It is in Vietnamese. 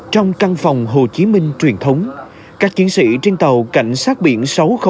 trong căn phòng hồ chí minh truyền thống các chiến sĩ trên tàu cảnh sát biển sáu nghìn một